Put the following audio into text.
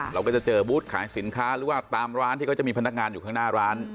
เราก็จะเจอบูธขายสินค้าหรือว่าตามร้านที่เขาจะมีพนักงานอยู่ข้างหน้าร้าน